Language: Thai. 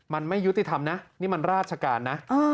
มันไม่ยุติธรรมนะนี่มันราชการนะ